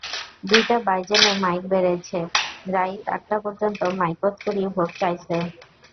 দুইটা বাইজলে মাইক বেড়ায়ছে, রাইত আটটা পর্যন্ত মাইকত করি ভোট চায়ছে।